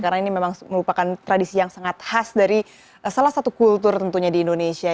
karena ini memang merupakan tradisi yang sangat khas dari salah satu kultur tentunya di indonesia